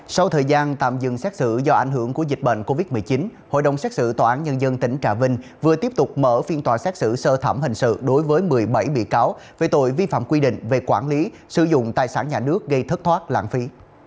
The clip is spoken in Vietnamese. sau thời gian tạm dừng xét xử do ảnh hưởng của dịch bệnh covid một mươi chín hội đồng xét xử tòa án nhân dân tỉnh trà vinh vừa tiếp tục mở phiên tòa xét xử sơ thẩm hình sự đối với một mươi bảy bị cáo về tội vi phạm quy định về quản lý sử dụng tài sản nhà nước gây thất thoát lãng phí